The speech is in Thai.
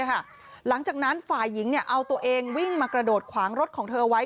หลังจากนั้นฝ่ายหญิงเอาตัวเองวิ่งมากระโดดขวางรถของเธอไว้